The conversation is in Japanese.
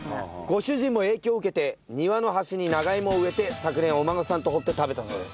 ご主人も影響を受けて庭の端に長いもを植えて昨年お孫さんと掘って食べたそうです。